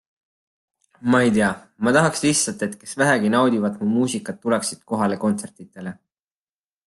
Ma ei tea, ma tahaks lihtsalt, et kes vähegi naudivad mu muusikat, tuleksid kohale kontsertidele.